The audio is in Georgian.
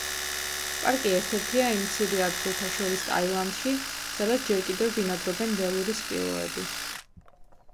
პარკი ერთ-ერთია იმ მცირე ადგილთა შორის ტაილანდში, სადაც ჯერ კიდევ ბინადრობენ ველური სპილოები.